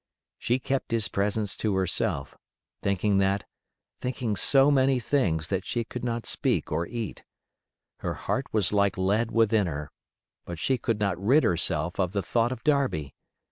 She kept his presence to herself, thinking that—thinking so many things that she could not speak or eat. Her heart was like lead within her; but she could not rid herself of the thought of Darby.